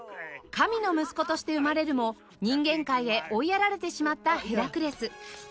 神の息子として生まれるも人間界へ追いやられてしまったヘラクレス